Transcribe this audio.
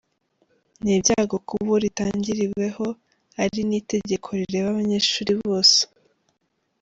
Ni ibyago kubo ritangiriweho ari ni itegeko rireba abanyeshuri bose.